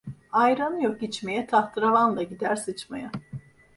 Ayranı yok içmeye, tahtırevanla gider sıçmaya.